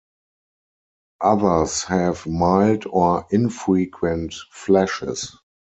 Others have mild or infrequent flashes.